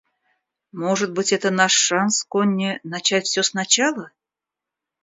Может быть, это наш шанс, Конни, начать все сначала.